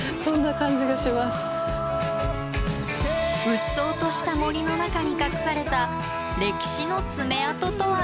うっそうとした森の中に隠された歴史の爪痕とは？